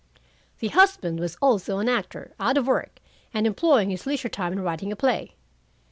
"'The husband was also an actor, out of work, and employing his leisure time in writing a play.'"